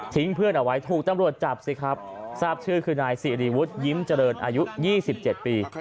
เพื่อนเอาไว้ถูกตำรวจจับสิครับทราบชื่อคือนายสิริวุฒิยิ้มเจริญอายุ๒๗ปี